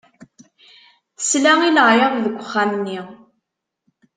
Tesla i leɛyaḍ deg uxxam-nni.